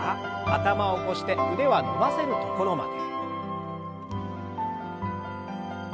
頭を起こして腕は伸ばせるところまで。